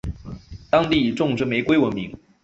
当地以种植玫瑰闻名。